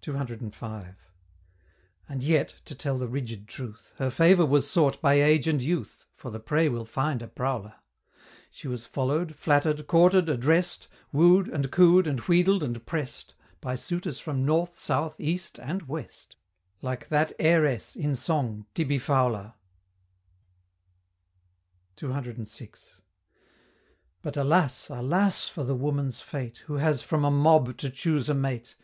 CCV. And yet to tell the rigid truth Her favor was sought by Age and Youth For the prey will find a prowler! She was follow'd, flatter'd, courted, address'd, Woo'd, and coo'd, and wheedled, and press'd, By suitors from North, South, East, and West, Like that Heiress, in song, Tibbie Fowler! CCVI. But, alas! alas! for the Woman's fate, Who has from a mob to choose a mate!